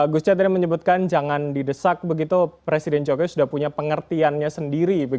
gus coy tadi menyebutkan jangan didesak begitu presiden jokowi sudah punya pengertiannya sendiri